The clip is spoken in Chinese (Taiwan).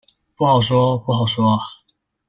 不好說，不好說阿